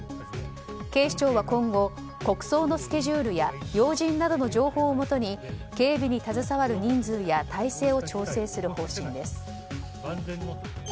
警視庁は今後国葬のスケジュールや要人などの情報をもとに警備に携わる人数や体制を調整する方針です。